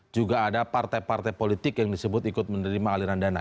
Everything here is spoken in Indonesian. juga ada partai partai politik yang disebut ikut menerima aliran dana